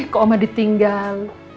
kok ama ditinggal